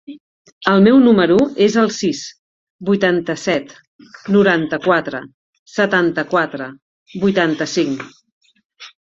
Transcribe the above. El meu número es el sis, vuitanta-set, noranta-quatre, setanta-quatre, vuitanta-cinc.